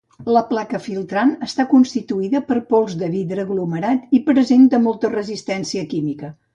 La placa filtrant està constituïda per pols de vidre aglomerat i presenta molta resistència química.